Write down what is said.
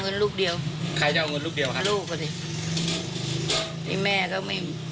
เผื่อเขายังไม่ได้งาน